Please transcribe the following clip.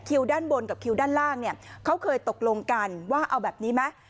ด้านบนกับคิวด้านล่างเนี่ยเขาเคยตกลงกันว่าเอาแบบนี้ไหม